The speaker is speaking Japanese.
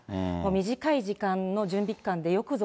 短い時間の準備期間でよくぞ